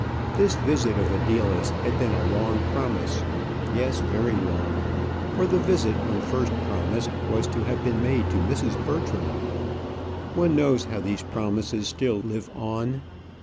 This visit of Adela's had been a long promise yes, very long; for the visit, when first promised, was to have been made to Mrs. Bertram. One knows how these promises still live on.